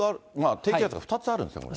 低気圧が２つあるんですね、これね。